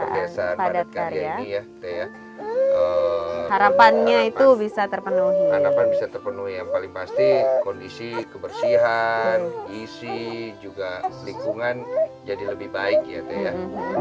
harapannya itu bisa terpenuhi kondisi kebersihan isi juga lingkungan jadi lebih baik ya teteh